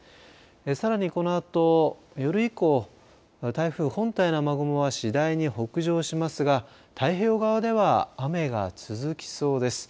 さらにこのあと夜以降、台風本体の雨雲は次第に北上しますが太平洋側では雨が続きそうです。